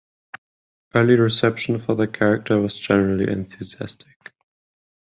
Early reception for the character was generally enthusiastic.